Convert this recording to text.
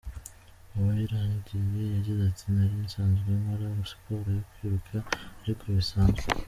Uwiragiye yagize ati “Nari nsanzwe nkora siporo yo kwiruka ariko bisanzwe.